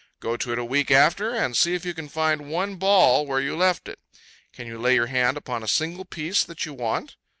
Go to it a week after, and see if you can find one ball where you left it! Can you lay your hand upon a single piece that you want?